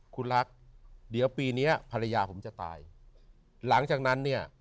คุณรักเดี๋ยวปีนี้ภรรยาผมจะตายหลังจากนั้นเนี่ย